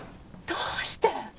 どうして！？